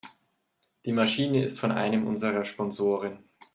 Die Maschine ist von einem unserer Sponsoren.